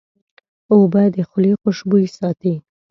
اوبه د خولې خوشبویي ساتي.